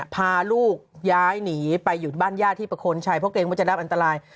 พาลูกย้ายหนีไปหยุดบ้านญาติที่ประโคนชัยเพราะเกรงว่าจะรับอันตราย